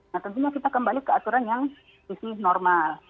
nah tentunya kita kembali ke aturan yang masih normal